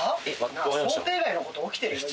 想定外のこと起きてるよ